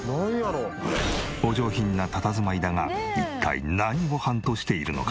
お上品なたたずまいだが一体何をハントしているのか？